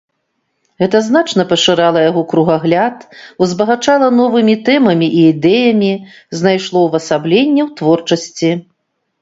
Гэта значна пашырала яго кругагляд, узбагачала новымі тэмамі і ідэямі, знайшло ўвасабленне ў творчасці.